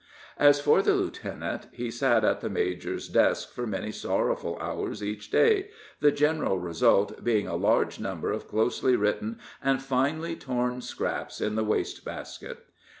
As for the lieutenant, he sat at the major's desk for many sorrowful hours each day, the general result being a large number of closely written and finely torn scraps in the waste basket.